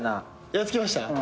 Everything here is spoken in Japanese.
やっと来ました？